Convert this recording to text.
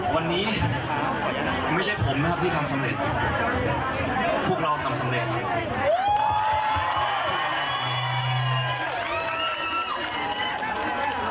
วันนี้นะครับไม่ใช่ผมนะครับที่ทำสำเร็จพวกเราทำสำเร็จ